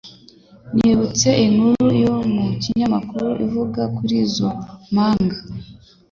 Nibutse inkuru yo mu kinyamakuru ivuga kuri izo mpanga.